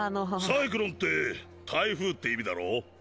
サイクロンって台風って意味だろ？？